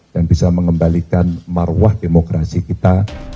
dan bisa mengembalikan maruah demokrasi kita